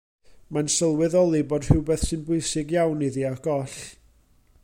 Mae'n sylweddoli bod rhywbeth sy'n bwysig iawn iddi ar goll.